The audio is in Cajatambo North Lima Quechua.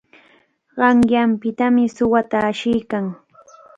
Qanyanpitami suwata ashiykan.